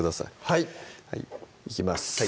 はいいきます